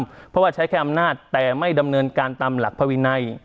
เพราะว่าใช้แค่อำนาจแต่ไม่ดำเนินการตามหลักภาวินัย